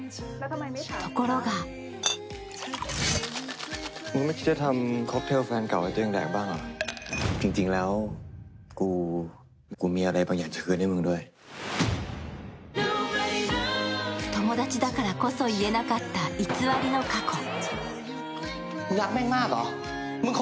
ところが友達だからこそ言えなかった偽りの過去。